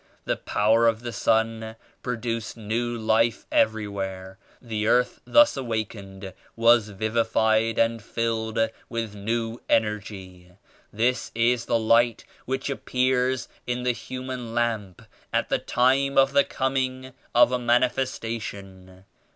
The power of the Sun produced new Life everywhere. The earth thus awakened was vivi fied and filled with new energy. This is the Light which appears in the human lamp at the Time of the Coming of a Manifestation.